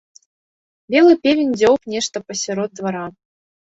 Белы певень дзёўб нешта пасярод двара.